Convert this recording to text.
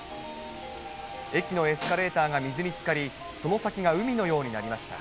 駅のエスカレーターが水につかり、その先が海のようになりました。